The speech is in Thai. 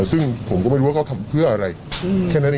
ซึ่งผมก็ไม่รู้ว่าเขาทำเพื่ออะไรแค่นั้นเอง